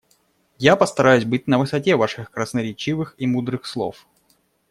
Я постараюсь быть на высоте ваших красноречивых и мудрых слов.